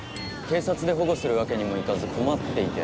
警察で保護するわけにもいかず困っていて。